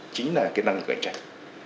chính là kỹ năng cạnh tranh